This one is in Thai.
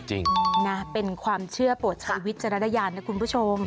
จริงนะเป็นความเชื่อโปรดใช้วิจารณญาณนะคุณผู้ชม